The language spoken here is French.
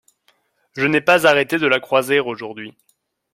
Je n’ai pas arrêté de la croiser aujourd’hui.